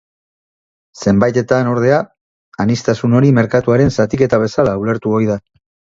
Zenbaitetan, ordea, aniztasun hori merkatuaren zatiketa bezala ulertu ohi da.